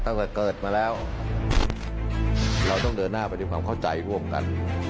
ตั้งแต่เกิดมาแล้วเราต้องเดินหน้าไปด้วยความเข้าใจร่วมกัน